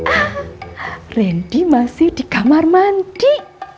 ah randy masih di kamar mandi